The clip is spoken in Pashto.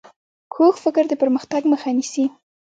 کوږ فکر د پرمختګ مخ نیسي